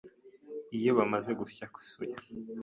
Iyo bamaze gusya soya